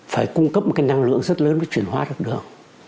phải cung cấp một cái năng lượng rất lớn để chuyển hóa được đường